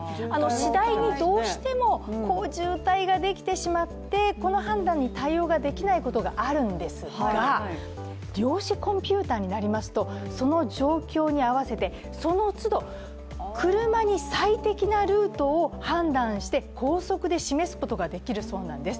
次第にどうしても、渋滞ができてしまって、この判断に対応ができないことがあるんですが、量子コンピューターになりますとその状況に合わせてそのつど、車に最適なルートを判断して、高速で示すことができるそうなんです。